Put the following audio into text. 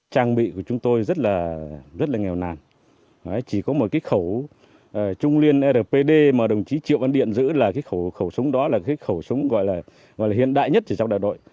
trang bị của chúng tôi rất là nghèo nàn chỉ có một cái khẩu trung liên rpd mà đồng chí triệu văn điện giữ là cái khẩu súng đó là cái khẩu súng gọi là hiện đại nhất chỉ trong đại đội